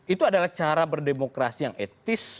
itu adalah cara berdemokrasi yang etis